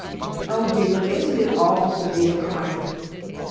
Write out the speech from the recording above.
Oh, dear, isn't it awful to be a crank?